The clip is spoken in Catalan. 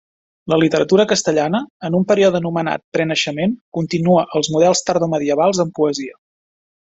La literatura castellana, en un període anomenat prerenaixement, continua els models tardomedievals en poesia.